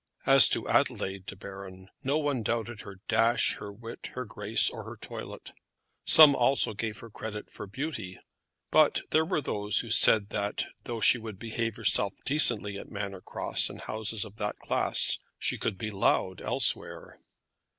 As to Adelaide de Baron, no one doubted her dash, her wit, her grace, or her toilet. Some also gave her credit for beauty; but there were those who said that, though she would behave herself decently at Manor Cross and houses of that class, she could be loud elsewhere.